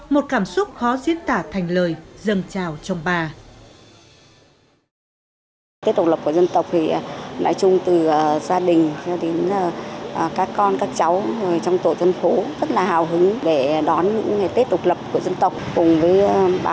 một cảm xúc khó diễn tả thành lời dâng chào trong bà